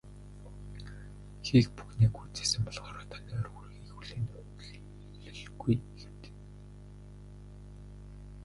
Хийх бүхнээ гүйцээсэн болохоор одоо нойр хүрэхийг хүлээн хөдлөлгүй хэвтэнэ.